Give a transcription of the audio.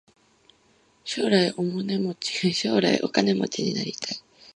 将来お金持ちになりたい。